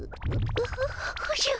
おおじゃ。